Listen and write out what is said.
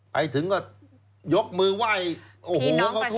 ไปถึงก็ยกมือไหวพี่น้องประชาภิกษ์